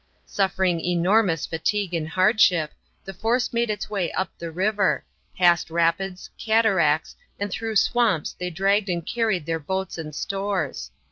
Suffering enormous fatigue and hardship, the force made its way up the river; past rapids, cataracts, and through swamps they dragged and carried their boats and stores.